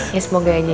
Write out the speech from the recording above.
ya semoga aja ya